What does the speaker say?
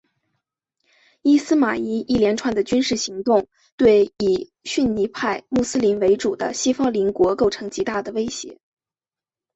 伊斯玛仪一连串的军事行动对以逊尼派穆斯林为主的西方邻国构成极大的威胁。